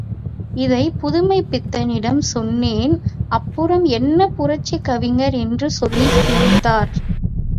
இதைப் புதுமைப்பித்தனிடம் சொன்னேன் அப்புறம் என்ன புரட்சிக் கவிஞர் என்று சொல்லி சிரித்தார்.